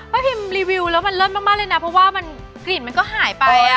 พิมรีวิวแล้วมันเลิศมากเลยนะเพราะว่ากลิ่นมันก็หายไป